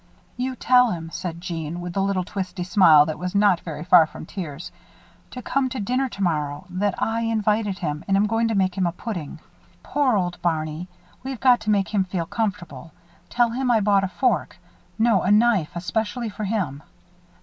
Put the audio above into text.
"You tell him," said Jeanne, with the little twisty smile that was not very far from tears, "to come to dinner tomorrow that I invited him and am going to make him a pudding. Poor old Barney! We've got to make him feel comfortable. Tell him I bought a fork no, a knife especially for him."